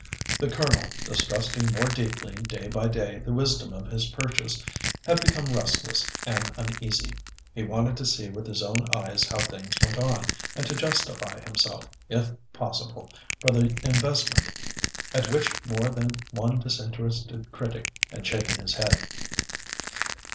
The Colonel, distrusting more deeply day by day the wisdom of his purchase, had become restless and uneasy; he wanted to see with his own eyes how things went on, and to justify himself, if possible, for the investment, at which more than one disinterested critic had shaken his head.